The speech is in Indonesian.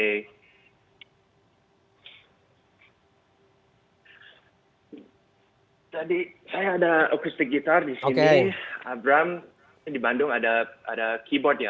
jadi saya ada acoustic guitar di sini